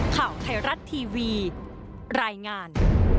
ข่าวไทยรัฐทีวีรายงาน